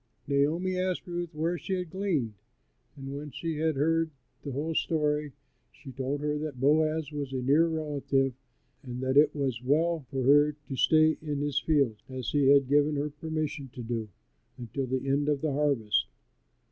Naomi asked Ruth where she had gleaned, and when she had heard the whole story, she told her that Boaz was a near relative and that it was well for her to stay in his fields, as he had given her permission to do, until the end of the harvest.